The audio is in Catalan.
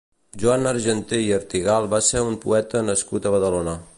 Joan Argenté i Artigal va ser un poeta nascut a Badalona.